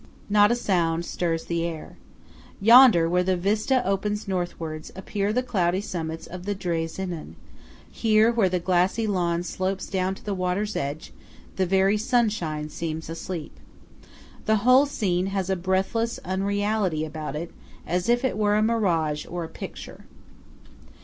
Not a sound stirs the air. Yonder, where the vista opens Northwards, appear the cloudy summits of the Drei Zinnen; here where the glassy lawn slopes down to the water's edge, the very sunshine seems asleep. The whole scene has a breathless unreality about it, as if it were a mirage, or a picture.